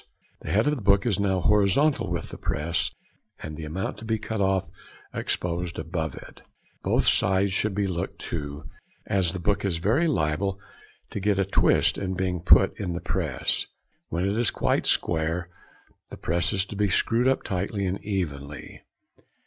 The head of the book is now horizontal with the press, and the amount to be cut off exposed above it. Both sides should be looked to, as the book is very liable to get a twist in being put in the press. When it is quite square the press is to be screwed up tightly and evenly.